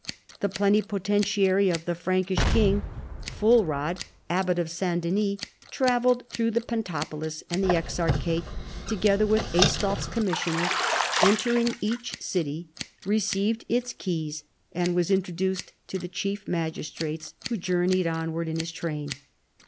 The plenipotentiary of the Frankish king, Fulrad, Abbot of St. Denis, travelled through the Pentapolis, and the exarchate, together with Aistulfs commissioner, entered each city, received its keys and was introduced to the chief magistrates, who journeyed onward in his train.